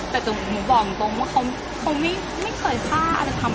มันเป็นแบบที่สุดท้ายแต่มันเป็นแบบที่สุดท้าย